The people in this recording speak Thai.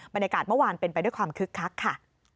บรรยากาศเมื่อวานเป็นไปด้วยความคึกคักค่ะ